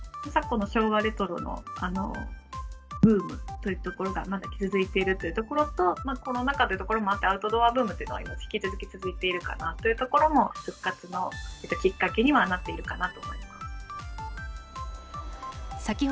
昨今の昭和レトロのブームというところが、まだ続いているというところと、コロナ禍というところもあって、アウトドアブームというのが今引き続き続いているかなというところも、復活のきっかけにはなっているかなと思います。